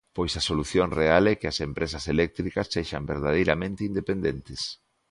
Pois a solución real é que as empresas eléctricas sexan verdadeiramente independentes.